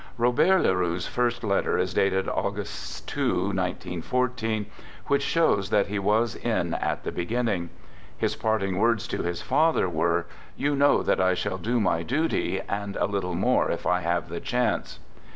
Robert Le Roux's first letter is dated August 2, 1914, which shows that he was in at the beginning. His parting words to his father were: " You know that I shall do my duty, and a little more if I have the chance."